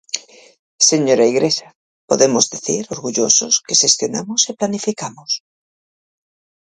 Señora Igrexa, podemos dicir orgullosos que xestionamos e planificamos.